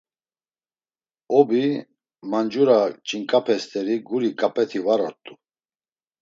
Obi, mancura ç̌inǩape st̆eri guri ǩap̌et̆i var ort̆u.